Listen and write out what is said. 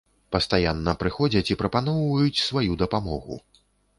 Пастаянна прыходзяць і прапаноўваюць сваю дапамогу.